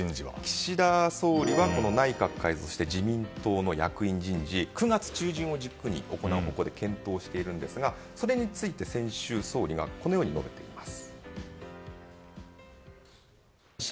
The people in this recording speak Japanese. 岸田総理は、内閣改造そして自民党の役員人事を９月中旬を軸に行う方向で検討しているんですがそれについて先週、総理がこのように述べています。